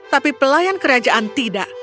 tapi pelayan kerajaan tidak